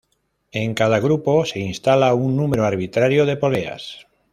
En cada grupo se instala un número arbitrario de poleas.